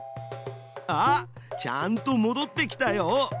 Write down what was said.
あっちゃんともどってきたよ。